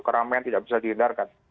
keramainya tidak bisa dihindarkan